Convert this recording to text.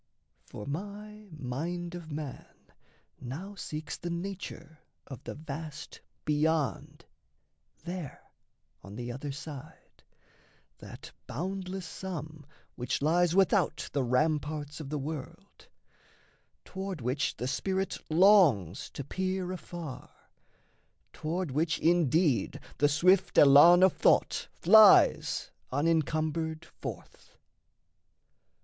For my mind of man Now seeks the nature of the vast Beyond There on the other side, that boundless sum Which lies without the ramparts of the world, Toward which the spirit longs to peer afar, Toward which indeed the swift elan of thought Flies unencumbered forth.